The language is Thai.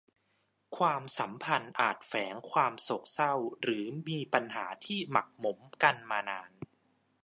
ความสัมพันธ์อาจแฝงความโศกเศร้าหรือมีปัญหาที่หมักหมมกันมานาน